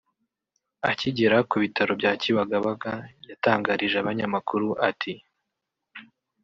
Akigera ku bitaro bya Kibagabaga yatangarije abanyamakuru ati